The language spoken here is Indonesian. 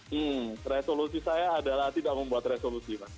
hmm resolusi saya adalah tidak membuat resolusi